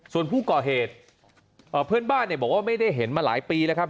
ส่วนผู้ก่อเหตุเพื่อนบ้านเนี่ยบอกว่าไม่ได้เห็นมาหลายปีแล้วครับ